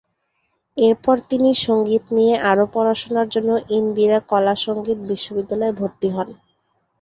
এরপর তিনি সঙ্গীত নিয়ে আরও পড়াশোনার জন্য ইন্দিরা কলা সঙ্গীত বিশ্ববিদ্যালয়ে ভর্তি হন।